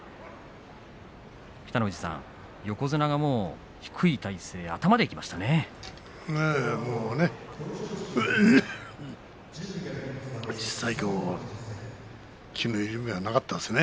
北の富士さん、横綱低い体勢頭でいきましたよね。